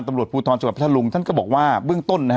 ตำรวจภูทรสวัสดิ์พระท่านลุงท่านก็บอกว่าเบื้องต้นนะฮะ